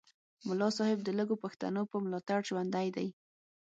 ملا صاحب د لږو پښتنو په ملاتړ ژوندی دی